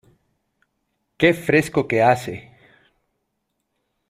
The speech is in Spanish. ¡Qué fresco que hace!